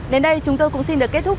đến đây chúng tôi cũng xin được kết thúc